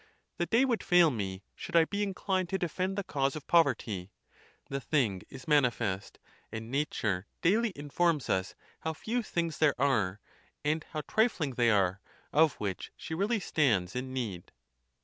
The day would fail me, should I be inclined to defend the cause of poverty. The thing is man ifest; and nature daily informs us how few things there are, and how trifling they are, of which she really stands in need.